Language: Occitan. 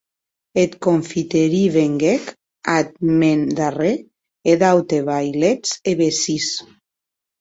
Eth confiteire venguec ath mèn darrèr, e d'auti vailets e vesins.